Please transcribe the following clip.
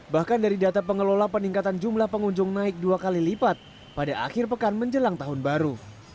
bahkan dari data pengelola peningkatan jumlah pengunjung naik dua kali lipat pada akhir pekan menjelang tahun baru